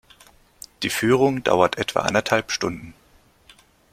Die Führung dauert etwa anderthalb Stunden.